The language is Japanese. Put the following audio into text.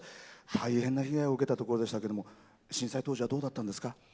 大変な被害を受けたところでしたけど震災当時はどうだったんですか？